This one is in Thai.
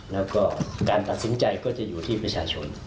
แล้วก็การตัดสินใจก็จะอยู่ที่ประชาชน